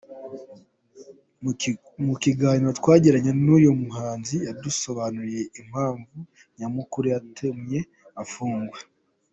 Mu kiganiro twagiranye n’uyu muhanzi yadusobanuriye impamvu nyamukuru yatumye afungwa.